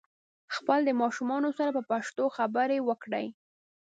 خپل د ماشومانو سره په پښتو خبري وکړئ